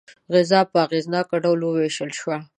غذا په اغېزناک ډول وویشل شوه.